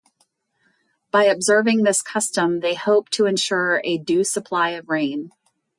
By observing this custom, they hoped to ensure a due supply of rain.